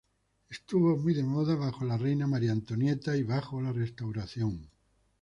Estuvo muy de moda bajo la reina María Antonieta y bajo la Restauración.